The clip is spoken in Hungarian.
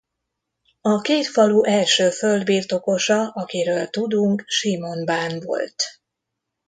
A két falu első földbirtokosa akiről tudunk Simon bán volt.